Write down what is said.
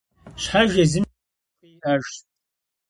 Щхьэж езым и ерыскъы иӀэжщ.